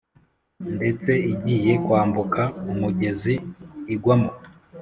ndetse igiye kwambuka umugezi igwamo.